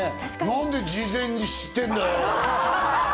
何で事前に知ってるんだよ！